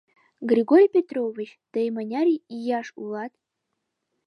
— Григорий Петрович, тый мыняр ияш улат?